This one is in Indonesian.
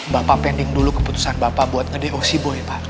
bapak pending dulu keputusan bapak buat nge do si boy pak